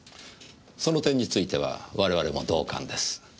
その点については我々も同感です。